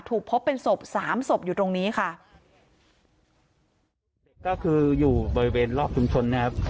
พบเป็นศพสามศพอยู่ตรงนี้ค่ะเด็กก็คืออยู่บริเวณรอบชุมชนนะครับ